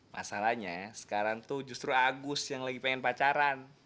masalahnya sekarang tuh justru agus yang lagi pengen pacaran